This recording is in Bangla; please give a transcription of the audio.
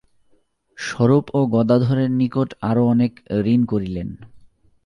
স্বরূপ ও গদাধরের নিকট আরো অনেক ঋণ করিলেন।